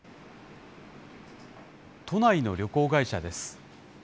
都内の旅行会社です。